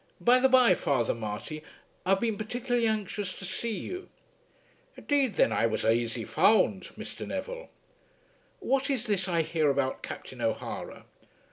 By the bye, Father Marty, I've been particularly anxious to see you." "'Deed thin I was aisy found, Mr. Neville." "What is this I hear about Captain O'Hara?"